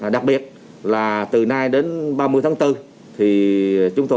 đặc biệt là từ nay đến ba mươi tháng bốn